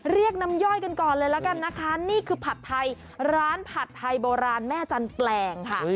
เรียกน้ำย่อยกันก่อนเลยแล้วกันนะคะนี่คือผัดไทยร้านผัดไทยโบราณแม่จันแปลงค่ะ